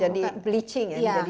jadi bleaching ya